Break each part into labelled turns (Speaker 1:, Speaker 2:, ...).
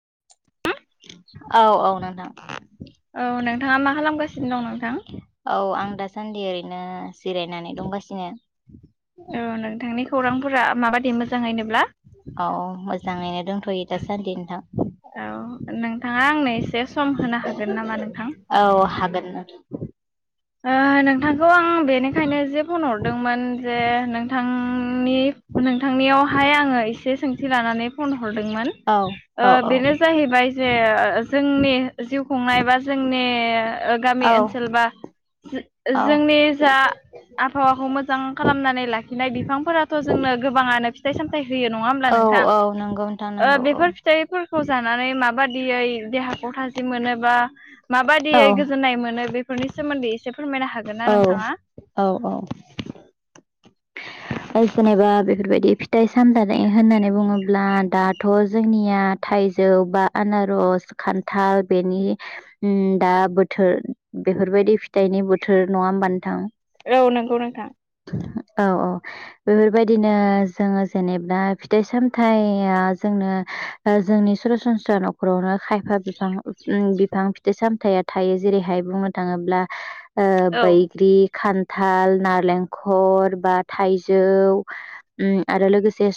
Speaker 1: [unintelligible]
Speaker 2: औ औ नोंथां।
Speaker 1: औ नोंथाङा मा खालामगासिनो दं नोंथां?
Speaker 2: औ आं दासान्दि ओरैनो जिरायनानै दंगासिनो
Speaker 1: औ नोंथांनि खौरांफोरा माबादि मोजाङैनोब्ला
Speaker 2: औ मोजाङैनो दंथ'यो दासान्दि नोंथां।
Speaker 1: औ नोंथाङा आंनो एसे सम होनो हागोन नामा नोंथां?
Speaker 2: औ [unintelligible]
Speaker 1: ओ नोंथांखौ आं बेनिखायनो जे फन हरदोंमोन जे नोंथां नि नोंथांनियावहाय आङो एसे सोंथि लानानै फन हरदोंमोन
Speaker 2: नोंथां औ
Speaker 1: ओ
Speaker 2: औ
Speaker 1: बेनो जाहैबाय जे जोंनि जिउ संनाय बा जोंनि ओ गामि ओनसोल बा
Speaker 2: औ
Speaker 1: जोंनि जा आबहावाखौ मोजां खालामनानै ला - खिनाय बिफांफोराथ जोंनो गोबाङानो फिथाइ सामथाइ होयो नङा होमब्ला
Speaker 2: औ
Speaker 1: नोंथां
Speaker 2: औ नंगौ नोंथां
Speaker 1: ओ
Speaker 2: नंगौ औ
Speaker 1: बेफोर फिथाइफोर खौ जानानै माबायदियै देहाखौ थाजिम मोनोबा माबायदियै
Speaker 2: औ
Speaker 1: गोजोननाय मोनो बेफोरनि सोमोन्दै एसे फोरमायनो हागोन ना
Speaker 2: औ
Speaker 1: नों
Speaker 2: औ औ। जेनेबा बेफोरबायदि फिथाइ सामथानाय होननानै बुङोब्ला दाथ जोंनिया थाइजौ बा आनारस खान्थाल बेनि उम दा बोथोर। बेफोरबायदि फिथाइनि बोथोर नङा होनबा नोंथां?
Speaker 1: औ नंगौ नोंथां।
Speaker 2: औ औ। बेफोरबायदिनो जोङो जेनेबा फिथाइ सामथाया जोंनो जोंनि सरासनस्रा नख'रावनो खायफा बिफां बिफां फिथाइ सामथायाइया थायो जेरैहाय बु नो थाङोब्ला ओ
Speaker 1: औ
Speaker 2: बैग्रि खान्थाल नारेंखर बा थाइजौ आरो ओम लोगोसे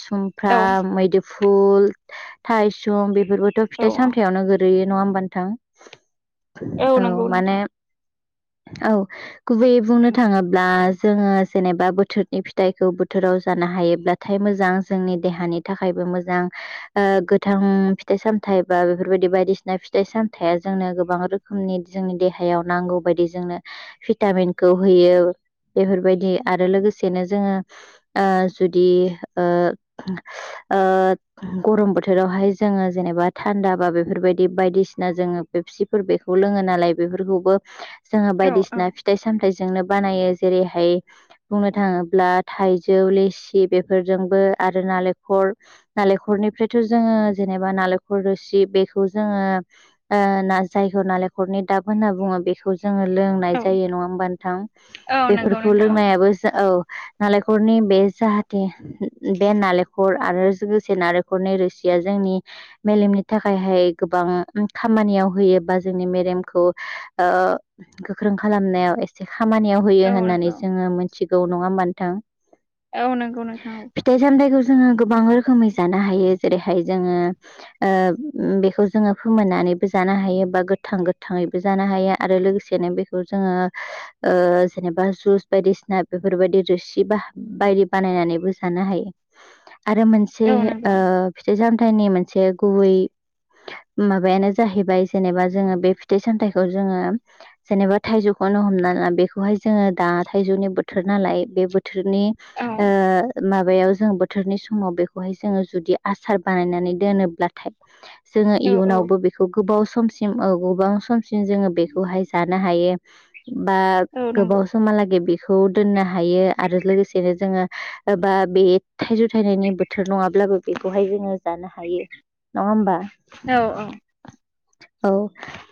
Speaker 1: औ
Speaker 2: सुमफ्राम मैदु फुल थायसुम बेफोरबोथ
Speaker 1: औ
Speaker 2: फिथाइ सामथायावनो गोरैयो नङा होमबा नोंथां? औ
Speaker 1: नंगौ
Speaker 2: माने
Speaker 1: नोंथां
Speaker 2: औ गुबैयै बुंनो थाङोब्ला जोङो जेनेबा बोथोर नि फिथाइखौ बोथोराव जानो हायोब्लाथाय मोजां जोंनि देहानि थाखायबो मोजां ओ गोथां फिथाइ सामथाइ बा बेफोरबायदि बायदिसिना फिथाइ सामथाइया जोंनो गोबां रोखोमनि जोंनि देह देहायाव नांगौ बादि जोंनो भिटामिनखौ होयो बेफोरबायदि आरो लोगोसे जेनो जोङो ओ जुदि ओ ओ गरम बोथोरावहाय जोङो जेनेबा थान्दा बा बेफोरबायदि बायदिसिना जोङो बेपसिफोर बेखौ लोङो नालाय बेफोरखौबो जोङो
Speaker 1: औ औ
Speaker 2: बायदिसिना फिथाइ सामथाइजोंनो बानायो जेरैहाय बुंनो थाङोब्ला थाइजौ लिसि बेफोरजोंबो आरो नालेंखर नालेंखरनिफ्रायथ जोङो जे जेनबा नालेंखर रोसि बेखौ जोङो ओ ना जायखौ नालेंखलनि दाब होनना बुङो बेखौ जोङो लोंनाय जायो नङा होमबा नोंथां
Speaker 1: औ नंगौ
Speaker 2: बेफोरखौ
Speaker 1: नोंथां औ
Speaker 2: लोंनायाबो औ नालेंखरनि बे जाहाथे बे नालेंखर आरो लोगोसे नालेंखरनि रोसिया जोंनि मेलेमनि थाखायहाय गोबां खामानियाव होयो बा जोंनि मेलेमखौ ओ गोख्रों खालामनायाव एसे खामानियाव होयो
Speaker 1: औ
Speaker 2: होननानै
Speaker 1: नंगौ
Speaker 2: जोङो मोनथिगौ नङा होनबा नोंथां?
Speaker 1: औ नंगौ नोंथां औ
Speaker 2: फिथाइ सामथाइखौ गोबां रोखोमै जानो हायो जेरैहाय जोङो ओ बेखौ जोङो फोनमोन्नानै नैबो जानो हायो बा गोथां- गोथांयैबो हायो आरो लोगोसेनो बेखौ जोङो ओ जेनबा जुज बायदिसिना बेफोरबायदि रोसि ब बायदि बानायनानैबो जानो हायो आरो मोनसे
Speaker 1: औ नंगौ
Speaker 2: ओ फिथाइ - सामथाइनि मोनसे गुबै माबायानो जाहैबाय जेनेबा जोङो बे फिथाइ- सामथाइखौ जोङो जेनेबा थाइजौखौ नो हमना ला बेखौहाय जोङो दा थाइजौनि बोथोर नालाय बे बोथोरनि
Speaker 1: औ
Speaker 2: ओ माबायाव जों बोथोरनि समाव बेखौहाय जोङो जुदि आसार बानायनानै दोनोब्लाथाय जोङो
Speaker 1: औ औ
Speaker 2: इयुनावबो बेखौ गोबाव समसिम गोबां समसिम जोङो बेखौहाय जानो हायो बा
Speaker 1: औ नंगौ
Speaker 2: गोबाव समा लागै बि खौ दोनो हायो आरो लोगोसेनो जोङो बा बे थाइजौ थायनायनि बोथोर नङाब्ला बो बेखौहाय जोङो जानो हायो नङा होमबा?
Speaker 1: औ - औ
Speaker 2: औ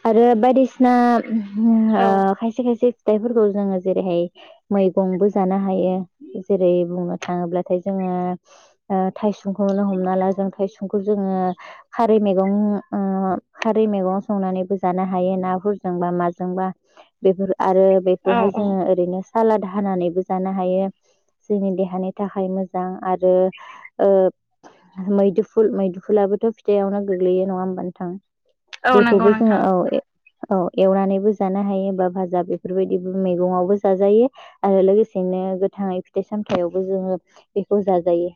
Speaker 2: आरो बायदिसिना ओ
Speaker 1: औ
Speaker 2: खायसे खायसे फिथाइफोरखौ जोङो जेरैहाय मैगंबो जानो हायो जेरै बुंनो थाङोब्लाथाय जोङो ओ थाइसुंखौनो हमना ला जों थाइसुंखौ जोङो खारै मैगं खारै मैगं संनानैबो जानो हायो ना माजोंबा आरो
Speaker 1: औ
Speaker 2: बेफोरखौ
Speaker 1: औ
Speaker 2: जोंडों ओरैनो सालाद हानानैबो जानो हायो। जोंनि देहानि थाखाय मोजां आरो ओ मैदुफुल मैदुफुलाआबोथ' फिथाइआवनो गोग्लैयो नङा होमबानो नोंथां
Speaker 1: औ नंगौ
Speaker 2: बेखौबो जोङो
Speaker 1: नोंथां
Speaker 2: औ औ एवनानैबो जानो हायो बा भाजा बेफोरबायदिबो मैगंआवबो जाजायो। आरो लोगोसेनो गोथाङै फिथाइ - सामथायावबो जोङो बेखौ जाजायो।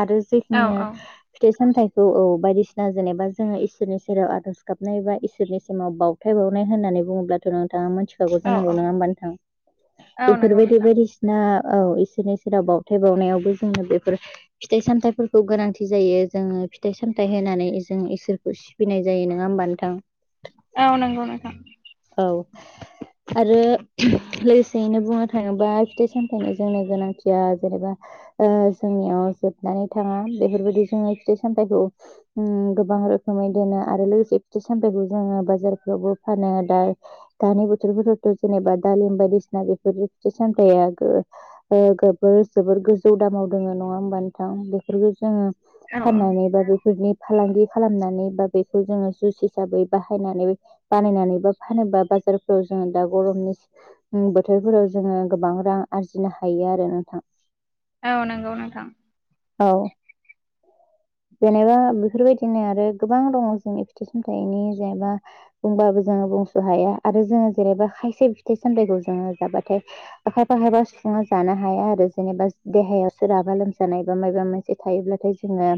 Speaker 2: आरो
Speaker 1: औ
Speaker 2: जेखुनु
Speaker 1: औ
Speaker 2: फिथाइ - सामथाय औ - औ बायदिसिना जेनेबा जोङो इसोरनि सेराव आर'ज गाबनाय एबा इसोरनि समाव बावथाय बावनाय होननानै होननानै बुङोब्लाथ' नोंथाङा मोनथिखागौ
Speaker 1: औ
Speaker 2: जानांगौ नङा
Speaker 1: औ
Speaker 2: होमब नोंथाङा
Speaker 1: औ नंगौ
Speaker 2: बेफोरबायदि
Speaker 1: नोंथां
Speaker 2: बायदिसिना औ इसोरनि सेराव बावथाय बावनायावबो जोंङो बेफोर फिथाइ- सामथायाइफोरखौ गोनांथि जायो जोङो। फिथाइ - सामथाय होनानै जों इसोरखौ सिबिनाय जायो नङा होमबा नोंथां
Speaker 1: औ नंगौ नोंथां
Speaker 2: औ आरो लोगोसेयैनो बुंनो थाङोबा फिथाइ - सामथाइनि जोंनि गोनांथिया जेनेबा जोंनियाव जोबनानै थां बेफोरबायदि जोङो फिथाइ - सामथाइखौ गोबां रोखोमै दोनो आरो लोगोसे फिथाइ- सामफाइखौ जोङो बाजारफ्रावबो फानो दा दानि बोथोरफोरावथ' जेनेबा दालिम बायदिसिना बे फिथाइ - सामथाया जोबोर गोजौ दामाव दङो नङा होमबा नोंथां बेफोरखौ जोङो
Speaker 1: औ औ
Speaker 2: फाननानै बा बेफोरनि फालांगि खालामनानै बा बेखौ जोङो जुइस हिसाबै बाहायनानै बानायनानै बा फानोबा बा बैफोरखौ जोंङो दा गरमनि बो बोथोरफोराव जोङो गोबां रां आरजिनो हायो आरो नोंथां
Speaker 1: औ नंगौ नोंथां
Speaker 2: औ जेनेबा बेफोरबायदिनो आरो गोबां दङ जोंनि फिथाइ- सामथायाइनि जेनेबा बुंबाबो जों बुंस' हाया आरो जोंङो जेनैबा खायसे फिथाइ- सामथाइखौ जोंङो जाबाथाय खायफा खायफा सुबुंङा जानो हाया आरो जेनेबा देहायाव सोरहाबा लोमजानाय एबा माबा माबा मोनसे थायोब्ला जोंङो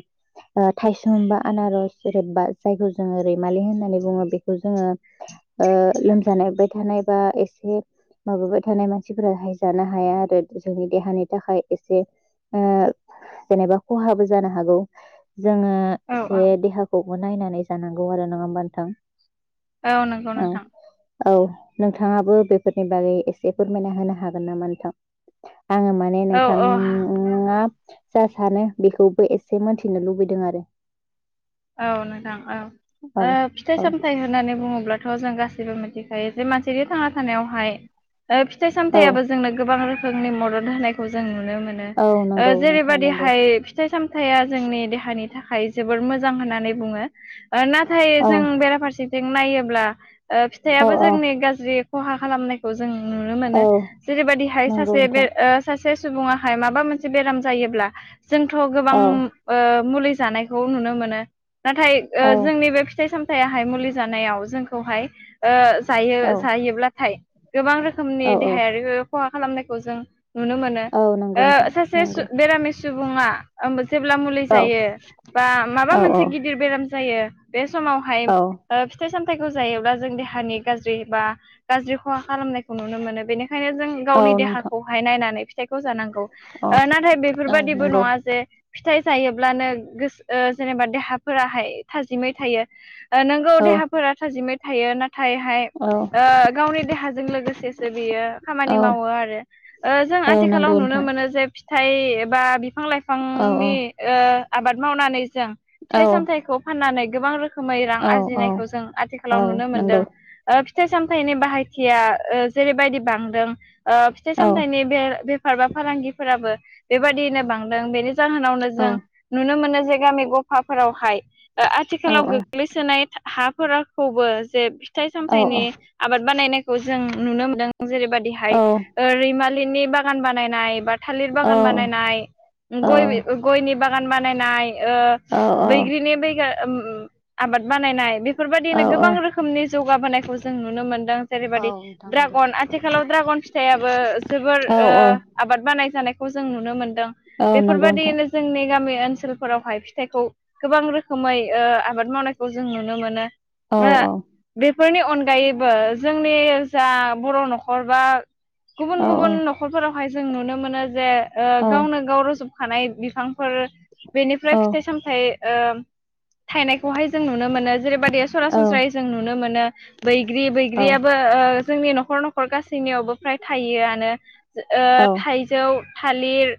Speaker 2: थाइसुं बा आनारस जै बा जायखौ जोंङो रैमालि होननानै बुङो बेखौ जोंङो लोमजानाय बाय थानाय एबा एसे माबाबाय थानाय मानसिफोराहाय जानो हाया आरो जोंनि देहानि थाखाय एसे ओ जेनेबा खहाबो जानो हागौ। जोंङो
Speaker 1: औ औ
Speaker 2: एसे देहाखौबो नायनानै जानांगौ आरो नङा होमबा नोंथां?
Speaker 1: औ नंगौ
Speaker 2: औ
Speaker 1: नोंथां।
Speaker 2: औ नोंथाङाबो बेफोरनि बागै एसे फोरमायना होनो हागोन नामा नोंथां? आंङो माने
Speaker 1: औ औ हा-
Speaker 2: नोंथाङा जा सानो बेखौबो एसे मोनथिनो लुबैदों आरो
Speaker 1: औ नोंथां औ
Speaker 2: औ
Speaker 1: ओ फिथाइ
Speaker 2: औ
Speaker 1: सामथाय होननानै बुङोब्ला थ' जों गासिबो मिथिखायो जे मानसिनि थांना थानायावहाय फिथाइ
Speaker 2: औ
Speaker 1: सामथायाबो जोंनो गोबां रोखोमनि मदद होनायखौ जों नुनो मोनो
Speaker 2: औ नंगौ नोंथां नंगौ
Speaker 1: जेरैबादिहाय फिथाइ सामथाइया जोंनि देहानि थाखाय जोबोद मोजां मोजां होननानै बुङो। नाथाय
Speaker 2: औ
Speaker 1: जों बेराफारसेथिं नायोब्ला
Speaker 2: औ
Speaker 1: फिथाइयाबो
Speaker 2: औ
Speaker 1: जोंनि गाज्रि खहा खालामनायखौ जों नुनो मोनो
Speaker 2: औ
Speaker 1: जेरैबायदिहाय
Speaker 2: नंगौ
Speaker 1: सासे बे
Speaker 2: नोंथां
Speaker 1: ओ सासे सुबुंङाहाय माबा मोनसे बेराम जायोब्ला जोंथ' गोबां
Speaker 2: औ
Speaker 1: ओ मुलि जानायखौ नुनो मोनो नाथाय ओ
Speaker 2: औ
Speaker 1: जोंनि बे फिथाइ सामथायाहाय मुलिजों जानायाव जोंखौहाय ओ जायो
Speaker 2: औ औ
Speaker 1: जायोब्लाथाय गोबां रोखोमनि
Speaker 2: औ
Speaker 1: देहायारि खहा खालामनायखौ जों नुनो मोनो
Speaker 2: औ नंगौ
Speaker 1: ओ
Speaker 2: नोंथां
Speaker 1: सासे सु
Speaker 2: नंगौ
Speaker 1: बेरामि सुबुङा ओ जेब्ला मुलि
Speaker 2: औ
Speaker 1: जायो बा माबा
Speaker 2: औ औ
Speaker 1: मोनसे गिदिर बेराम जायो बे समावहाय
Speaker 2: औ
Speaker 1: ओ फिथाइ सामथायाइखौ जायोब्ला जों देहानि गाज्रि बा गाज्रि खहा खालामनायखौ नुनो मोनो बेनिखायनो जों
Speaker 2: औ
Speaker 1: गावनि
Speaker 2: नोंथां
Speaker 1: देहाखौहाय नायनानै फिथाइखौ जानांगौ।
Speaker 2: औ
Speaker 1: ओ नाथाय
Speaker 2: औ
Speaker 1: बेफोरबादिबो
Speaker 2: नंगौ
Speaker 1: नङा जे फि फिथाइ जायोब्लानो गोस ओ जेनेबा देहाफोराहाय थाजिमै थायो ओ नोंगौ
Speaker 2: औ
Speaker 1: देहाफोरा थाजिमै थायो नाथायहाय
Speaker 2: औ
Speaker 1: ओ गावनि देहाजों लोगोसे बियो खामानि
Speaker 2: औ
Speaker 1: मावो आरो ओ जों
Speaker 2: औ
Speaker 1: आथिखालाव
Speaker 2: नंगौ
Speaker 1: नुनो
Speaker 2: नोंथां
Speaker 1: मोनो जे फिथाइ बा बिफां
Speaker 2: औ
Speaker 1: लाइफांनि ओ आबाद मावनानै जों
Speaker 2: औ
Speaker 1: फिथाइ सामथाइखौ फाननानै गोबां रोखोम रोखोमै रां
Speaker 2: औ औ
Speaker 1: आरजिनायखौ जों आथिखालाव
Speaker 2: औ
Speaker 1: नुनो मोनदों
Speaker 2: नंगौ
Speaker 1: ओ फिथाइ सामथायनि बाहायथिया ओ जेरैबायदि बांदों ओ फिथाइ
Speaker 2: औ औ
Speaker 1: सामथायनि बे बेफार बा फालांगिफोराबो बेबायदियैनो बांदों बेनो जाहोनावनो
Speaker 2: औ
Speaker 1: जों नुनो मोनो जे गामि गफाफोरावहाय ओ
Speaker 2: औ
Speaker 1: आथिखालाव गोग्लैसोनाय हाफोराखौबो जे फिथाइ
Speaker 2: औ
Speaker 1: सामथाइनि आबाद बानायनायखौ जों नुनो मोनदों जेरैबायदिहाय
Speaker 2: औ
Speaker 1: ओ रैमालि नि बागान बानायनाय बा थालिर बागान बानायनाय गय बि गयनि बागान बानायनाय ओ
Speaker 2: नोंथां
Speaker 1: बैग्रिनि बेगो उम आबाद बानायनाय बे बेफोरबायदिनो गोबां रोखोमनि जौगाबोनायखौ जों नुनो मोनदों जेरैबायदि ड्रागन
Speaker 2: नंगौ
Speaker 1: आथिखालाव ड्रागन फिथाइयाबो जोबोर
Speaker 2: औ
Speaker 1: ओ
Speaker 2: औ
Speaker 1: आबाद बानाय जानायखौ जों नुनो मोनदों
Speaker 2: औ नंगौ नोंथां
Speaker 1: बेफोरबायदियैनो जों जोंनि गामि ओन फोरावहाय फिथाइखौ गोबां रोखोमै ओ आबाद मावनायखौ जों नुनो मोनो।
Speaker 2: औ
Speaker 1: म
Speaker 2: औ
Speaker 1: बे फोरनि अनगायैबो जोंनि जा बर' न'खर बा गुबुन
Speaker 2: औ
Speaker 1: गुबुन न'खरफोरावहाय जों नुनो मोनो जे ओ
Speaker 2: औ
Speaker 1: गावनो गाव रज हानाय बिफांफोर
Speaker 2: औ
Speaker 1: बेनिफ्राय फिथाइ सामथाय ओ थायनायखौहाय जों नुनो मोनो जेरैबायदि सरासनस्रायै जों नुनो मोनो बैग्रि बैग्रियाबो ओ जोंनि न'खर न'खर गासैनियावबो फ्राय थायोआनो ओ
Speaker 2: औ
Speaker 1: थाइजौ थालिर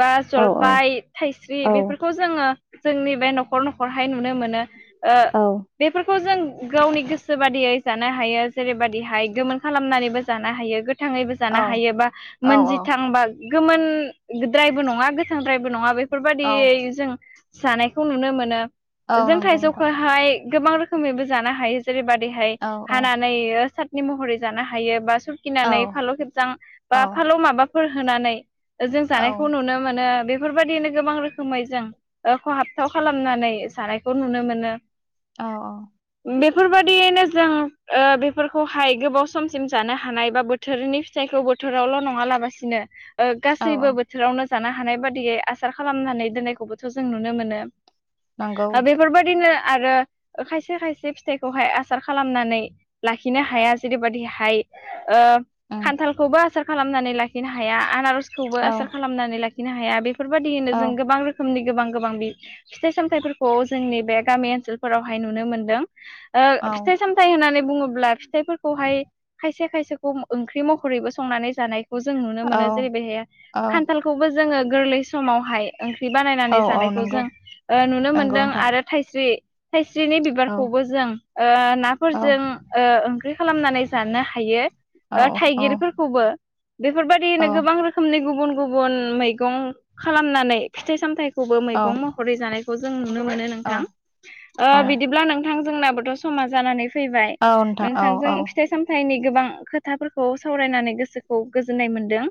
Speaker 1: बा
Speaker 2: औ
Speaker 1: जलफाय थाइस्रि बेफोर जोङो जोंनि बे न'खर नखर हाय नु नुनो मोनो ओ बेफोरखौ जों गावनि गोसो बादियै जानो हायो जेरैबायदि हाय गोमोन खालामनानैबो जानो हायो गोथाङैबो जानो हायो बा
Speaker 2: औ
Speaker 1: मोनजिथां बा गोमोन द्रायबो नङा गोथांद्रायबो नङा
Speaker 2: औ
Speaker 1: बेफोरबादियै जानायखौ नुनो मोनो
Speaker 2: औ
Speaker 1: जों
Speaker 2: नंगौ नोंथां
Speaker 1: थाइजौखौहाय गोबां रोखोमैबो जानो हायो जेरैबादैहाय
Speaker 2: औ औ
Speaker 1: हानानै सातनि महरै जानो हायो बा
Speaker 2: औ
Speaker 1: सुखिनानै फालौ खेबजां
Speaker 2: औ
Speaker 1: बा फालौ माबाफोर होनानै जों जानायखौ नुनो मोनो बेफोरबायदिनो गोबां रोखोमै जों ओ खहाबथाव खालामनानै जानायखौ नुनो मोनो
Speaker 2: औ औ
Speaker 1: बेफोरबायदियैनो जों ओ बेफोरखौहाय गोबाव समसिम जानो हानाय बा बोथोरनि फिथाइ बोथोरावल' नङालाबसिनो ओ
Speaker 2: औ
Speaker 1: गासैबो
Speaker 2: औ
Speaker 1: बोथोरावनो जानो हानाय बादियै आसार खालामनानै दोननायखौबोथ' जों नुनो मोनो
Speaker 2: नंगौ
Speaker 1: बेफोरबादिनो आरो खायसे खायसे फिथाइखौहाय आसार खालामनानै लाखिनो हाया जेरैबायदि हाय ओ
Speaker 2: उम
Speaker 1: खान्थालखौबो आसार खालामनानै लाखिनो हाया आनारजखौबो
Speaker 2: औ
Speaker 1: आसार खालामनानै लाखिनो हाया बेफोरबायदियैनो
Speaker 2: औ
Speaker 1: जों गोबां रो नि गोबां गोबां फिथाइ सामथथायफोरखौ जोंनि बे गामि ओनसोलफोरावहाय नुनो मोनदों ओ
Speaker 2: औ
Speaker 1: फिथाइ सामथाइ होननानै बुङोब्ला फिथाइफोरखौहाय खाय खायसे खायसेखौ ओंख्रि महरैबो संनानै जानायखौ जों नुनो
Speaker 2: औ
Speaker 1: मोनो जेरै बेहाय
Speaker 2: औ
Speaker 1: खान्थालखौबो जोङो गोरलै समावहाय ओ ख्रि
Speaker 2: औ
Speaker 1: बानायनानै
Speaker 2: औ
Speaker 1: जानायखौ
Speaker 2: नंगौ
Speaker 1: जों ओ नुनो
Speaker 2: नंगौ
Speaker 1: मोनदों
Speaker 2: नोंथां
Speaker 1: आरो थाइस्रि थाइ स्रिनि
Speaker 2: औ
Speaker 1: बिबारखौबो जों ओ
Speaker 2: औ
Speaker 1: नाफोरजों ओ ओंख्रि खालामनानै जानो हायो
Speaker 2: औ
Speaker 1: ओ
Speaker 2: औ
Speaker 1: थाइगिरफोरखौबो बेफोरबायदिनो गोबां रोखोमनि गुबुन गुबुन मैगं खालामनानै फिथाइ सामथाय खौबो
Speaker 2: औ
Speaker 1: मैगं महरै जानायखौ जों नुनो मोनो
Speaker 2: औ
Speaker 1: नोंथां ओ बिदिब्ला नोंथां जोंनाबोथ' समा जानानै फैबाय
Speaker 2: औ नोंथां औ
Speaker 1: नोंथांजों
Speaker 2: औ
Speaker 1: फिथाइ सामथाइनि गोबां खोथाफोरखौ सावरायनानै गोसोखौ गोजोननाय मोनदों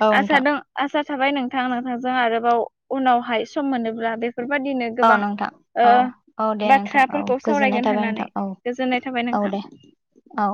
Speaker 2: औ
Speaker 1: आसा
Speaker 2: नोंथां
Speaker 1: दं आसा थाबाय नोंथां नोंथांजों आरोबाव उनावहाय सम मोनोब्ला बेफोरबादिनो
Speaker 2: औ
Speaker 1: गोबां
Speaker 2: नोंथां
Speaker 1: ओ
Speaker 2: औ औ दे नोंथां औ
Speaker 1: बाथ्राफोरखौ
Speaker 2: गोजोननाय
Speaker 1: सावरायगोन
Speaker 2: थाबाय
Speaker 1: होननानै
Speaker 2: नोंथां औ
Speaker 1: गोजोननाय थाबाय
Speaker 2: औ
Speaker 1: नोंथां
Speaker 2: दे औ